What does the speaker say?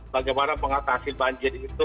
bagaimana pengatasi banjir itu